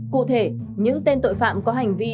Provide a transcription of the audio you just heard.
cụ thể những tên tội phạm có hành vi